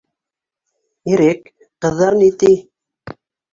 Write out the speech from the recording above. - Ирек, ҡыҙҙар ни ти